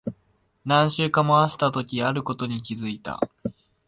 何周か回したとき、あることに気づいた。